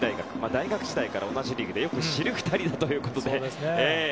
大学時代から同じリーグでよく知る２人ということで。